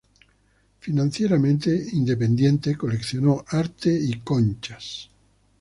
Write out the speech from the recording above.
Financieramente independiente, coleccionó arte y conchas.